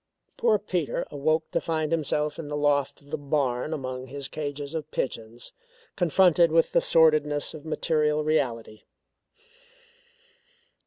Poor Peter awoke to find himself in the loft of the barn among his cages of pigeons, confronted with the sordidness of material reality.